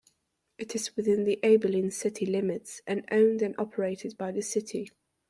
It is within the Abilene city limits and owned and operated by the City.